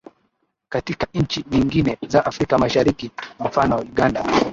katika nchi nyingine za afrika mashariki mfano uganda